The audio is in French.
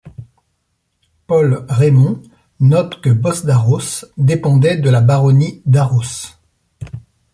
Paul Raymond note que Bosdarros dépendait de la baronnie d'Arros.